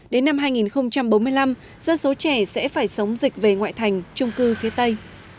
đến năm hai nghìn bốn mươi năm dân số trẻ sẽ phải sống dịch về ngoại thành trung cư phía tây